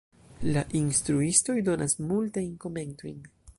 La instruistoj donas multajn komentojn.